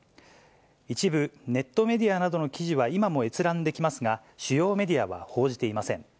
一部、ネットメディアなどの記事は今も閲覧できますが、主要メディアは報じていません。